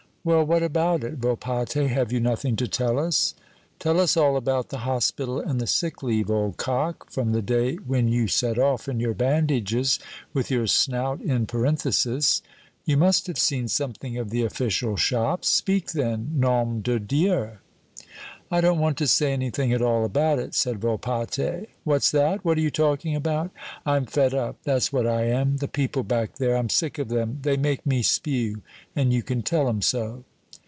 "Well, what about it? Volpatte, have you nothing to tell us?" "Tell us all about the hospital and the sick leave, old cock, from the day when you set off in your bandages, with your snout in parenthesis! You must have seen something of the official shops. Speak then, nome de Dieu!" "I don't want to say anything at all about it," said Volpatte. "What's that? What are you talking about?" "I'm fed up that's what I am! The people back there, I'm sick of them they make me spew, and you can tell 'em so!"